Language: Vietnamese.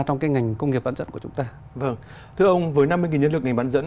thưa ông với năm mươi nhân lực ngành bán dẫn